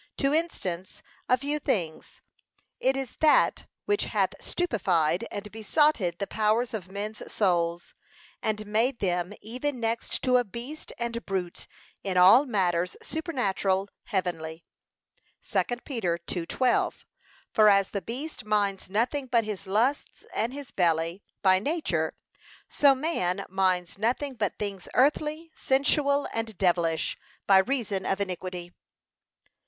To instance a few things: 1. It is that which hath stupefied and besotted the powers of men's souls, and made them even next to a beast and brute in all matters supernatural heavenly. (2 Peter 2:12) For as the beast minds nothing but his lusts and his belly, by nature, so man minds nothing but things earthly, sensual, and devilish, by reason of iniquity.